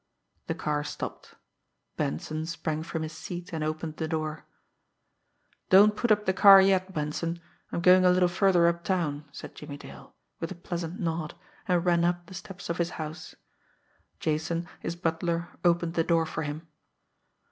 The car stopped. Benson sprang from his seat, and opened the door. "Don't put up the car yet, Benson; I am going a little further uptown," said Jimmie Dale, with a pleasant nod and ran up the steps of his house. Jason, his butler, opened the door for him.